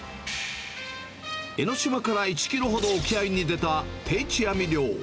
江の島から１キロほど沖合に出た定置網漁。